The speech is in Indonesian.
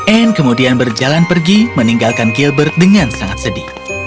anne kemudian berjalan pergi meninggalkan gilbert dengan sangat sedih